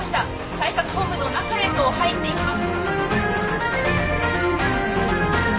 対策本部の中へと入っていきます。